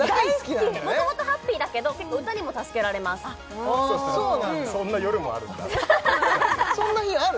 元々ハッピーだけど結構歌にも助けられますああそうなんだそんな夜もあるんだそんな日ある？